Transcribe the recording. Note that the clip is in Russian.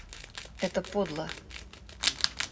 Это подло.